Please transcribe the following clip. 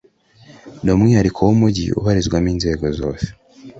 ni umwihariko w’umujyi ubarizwamo inzego zose